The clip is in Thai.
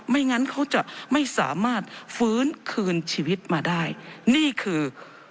งั้นเขาจะไม่สามารถฟื้นคืนชีวิตมาได้นี่คือ